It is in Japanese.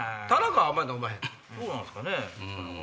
どうなんすかね？